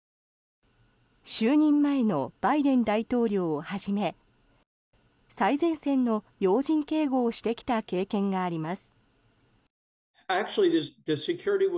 就任前のバイデン大統領をはじめ最前線の要人警護をしてきた経験があります。